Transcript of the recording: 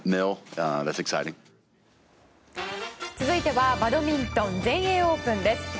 続いてはバドミントン全英オープンです。